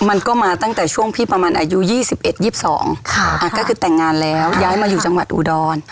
มันก็มาตั้งแต่ช่วงพี่ประมาณอายุ๒๑๒๒ก็คือแต่งงานแล้วย้ายมาอยู่จังหวัดอุดร